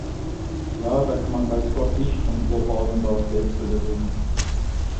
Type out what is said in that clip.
Ja, da kann man weiß Gott nicht von überbordender Geldfülle reden!